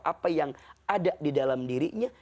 apa yang ada di dalam dirinya